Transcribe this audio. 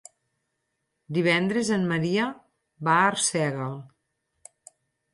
Divendres en Maria va a Arsèguel.